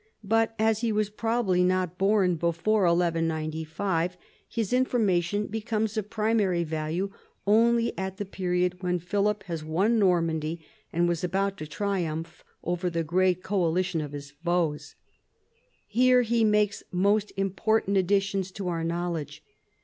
But as he was probably not born before 1195, his information becomes of primary value only at the period when Philip had won Normandy and was about to triumph over the great coalition of his foes. Here he makes most important additions to our knowledge.